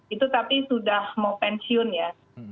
itu tapi sudah mau pensiun ya